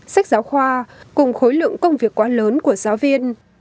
sách giáo khoa cùng khối lượng công việc quá lớn của giáo viên